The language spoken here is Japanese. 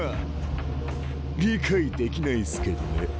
理解できないっすけどね。